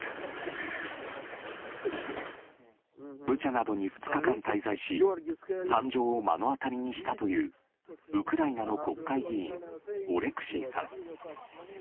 ブチャなどに２日間滞在し惨状を目の当たりにしたというウクライナの国会議員オレクシーさん。